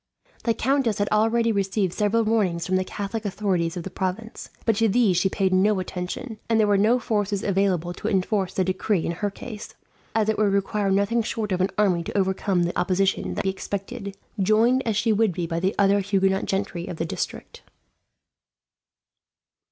The countess had already received several warnings from the Catholic authorities of the province; but to these she paid no attention, and there were no forces available to enforce the decree in her case, as it would require nothing short of an army to overcome the opposition that might be expected, joined as she would be by the other Huguenot gentry of the district.